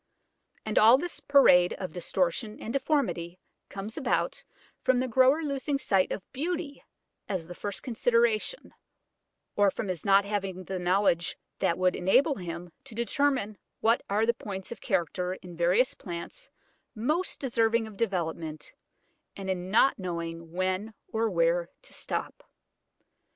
And all this parade of distortion and deformity comes about from the grower losing sight of beauty as the first consideration, or from his not having the knowledge that would enable him to determine what are the points of character in various plants most deserving of development, and in not knowing when or where to stop.